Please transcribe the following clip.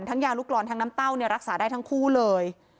ทั้งยาลูกกลอนทั้งน้ำเต้ารักษาได้ทั้งคู่เลย